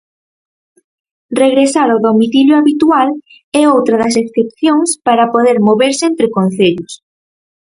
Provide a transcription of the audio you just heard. Regresar ao domicilio habitual é outra das excepcións para poder moverse entre concellos.